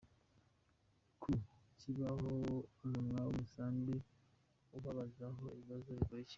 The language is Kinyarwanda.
ku kibaho umunwa w'umusambi ababazaho ibibazo bikurikira:.